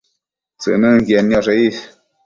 tsënënquied nioshe is